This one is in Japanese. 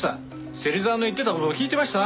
芹沢の言ってた事聞いてました？